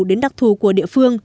đến đặc thù của địa phương